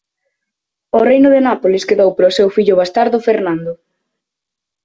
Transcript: O reino de Nápoles quedou para o seu fillo bastardo Fernando.